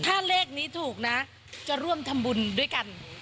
ถ้าเลขนี้ถูกนะจะร่วมทำบุญด้วยกัน